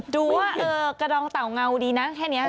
ดูว่ากระดองเต่าเงาดีนะแค่นี้